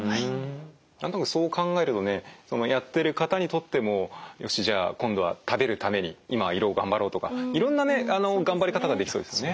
なんとなくそう考えるとねやってる方にとってもよしじゃあ今度は食べるために今は胃ろう頑張ろうとかいろんな頑張り方ができそうですよね。